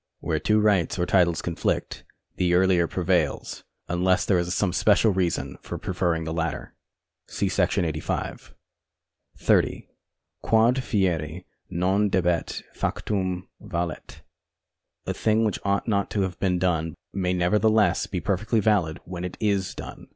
Where two rights or titles conflict, the earUer prevails, unless there is some special reason for preferring the later. See § 85. 30. Quod fieri non debet, factum valet. 5 Co. Rep. 38. A thing which ought not to have been done may nevertheless be perfectly valid when it is done.